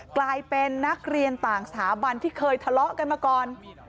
กลายเป็นนักเรียนต่างสถาบันที่เคยทะเลาะกันมาก่อน